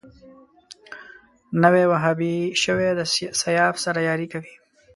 نوی وهابي شوی د سیاف سره ياري کوي